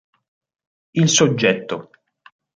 Il soggetto.